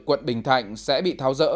quận bình thạnh sẽ bị tháo rỡ